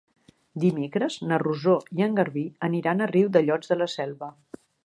Dimecres na Rosó i en Garbí aniran a Riudellots de la Selva.